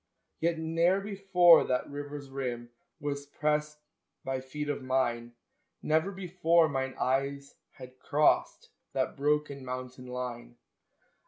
Yet ne'er before that river's rim Was pressed by feet of mine, Never before mine eyes had crossed That broken mountain line.